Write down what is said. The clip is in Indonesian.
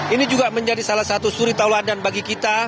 ini juga menjadi salah satu suri tauladan bagi kita